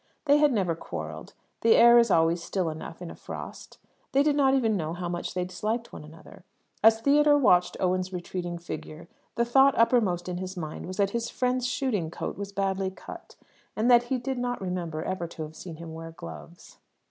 They had never quarrelled. The air is always still enough in a frost. They did not even know how much they disliked one another. As Theodore watched Owen's retreating figure, the thought uppermost in his mind was that his friend's shooting coat was badly cut, and that he did not remember ever to have seen him wear gloves.